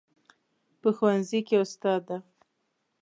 په ښوونځي کې استاد ده